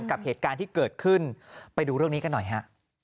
กับเหตุการณ์ที่เกิดขึ้นไปดูเรื่องนี้กันหน่อยฮะ